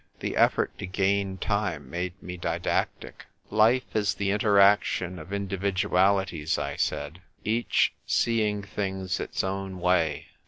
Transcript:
The effort to gain time made me didactic. " Life is the interaction of indi vidualities," 1 said, "each seeing things its own way.